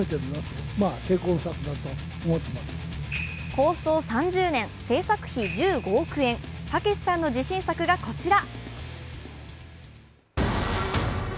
構想３０年、製作費１５億円、武さんの自信作がこちら。